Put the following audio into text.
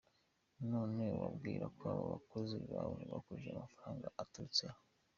None wibwirako abo bakozi bawe bakoresha amafaranga aturutse he?